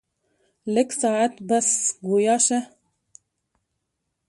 لږ ساعت پس ګویا شۀ ـ